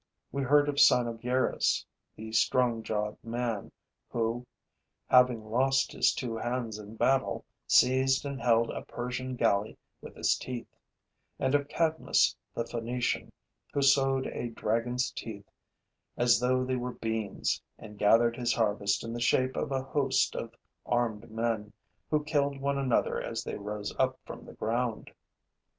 We heard of Cynoegirus, the strong jawed man, who, having lost his two hands in battle, seized and held a Persian galley with his teeth, and of Cadmus the Phoenician, who sowed a dragon's teeth as though they were beans and gathered his harvest in the shape of a host of armed men, who killed one another as they rose up from the ground.